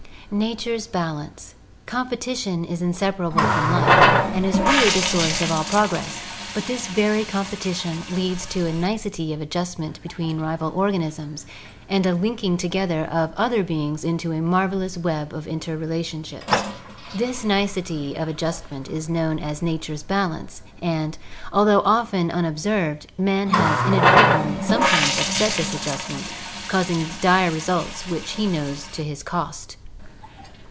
Nature's Balance. — Competition is inseparable from life and is really the source of all progress, but this very competition leads to a nicety of adjustment between rival organisms and a linking together of other beings into a marvelous web of interrelationships. This nicety of adjustment is known as nature's balance, and, al though often unobserved, man has inadvertently sometimes upset the adjustment, causing dire results which he knows to his cost.